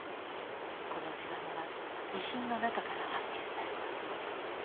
この手紙は遺品の中から発見された。